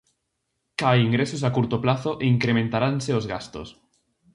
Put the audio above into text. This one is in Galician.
Cae ingresos a curto prazo e incrementaranse os gastos.